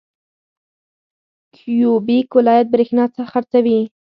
کیوبیک ولایت بریښنا خرڅوي.